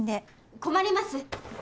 困ります！